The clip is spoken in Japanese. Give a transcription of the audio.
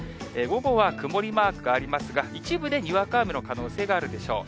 午後は曇りマークがありますが、一部でにわか雨の可能性があるでしょう。